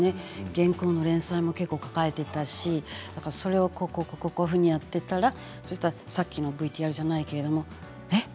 原稿の連載も結構抱えていたしそれをこういうふうにやってとやっていたらさっきのＶＴＲじゃないけれどえ？